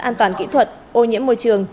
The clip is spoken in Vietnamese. an toàn kỹ thuật ô nhiễm môi trường